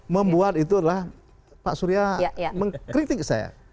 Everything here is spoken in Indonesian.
membuat itu adalah pak surya mengkritik saya